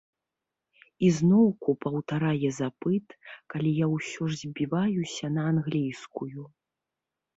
І зноўку паўтарае запыт, калі я ўсё ж збіваюся на англійскую.